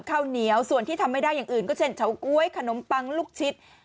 ข้าวเหนียวส่วนที่ทำไม่ได้อย่างอื่นก็เช่นเฉาก๊วยขนมปังลูกชิ้น